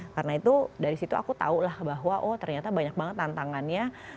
karena itu dari situ aku tahu lah bahwa oh ternyata banyak banget tantangannya